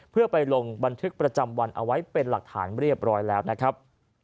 เพื่อไปลงบันทึกประจำวันเอาไว้เป็นหลักฐานเรียบร้อยแล้วนะครับ